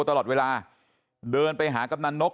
ตลอดเวลาเดินไปหากำนันนก